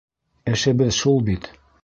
Эшебеҙ шул бит.